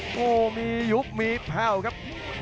โอ้โหมียุบมีแผ่วครับ